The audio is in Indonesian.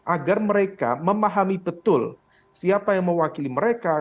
agar mereka memahami betul siapa yang mewakili mereka